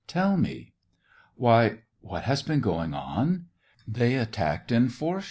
Tell me. " Why, what has been going on t They at tacked in force.